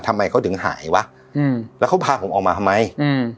ทำไมเขาถึงหายวะอืมแล้วเขาพาผมออกมาทำไมอืม